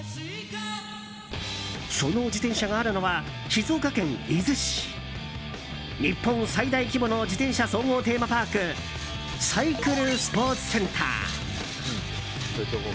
その自転車があるのは静岡県伊豆市日本最大規模の自転車総合テーマパークサイクルスポーツセンター。